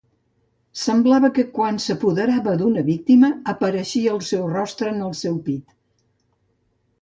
Semblava que quan s'apoderava d'una víctima, apareixia el seu rostre en el seu pit.